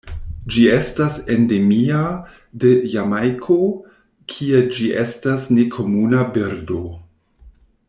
Ĝi estas endemia de Jamajko, kie ĝi estas nekomuna birdo.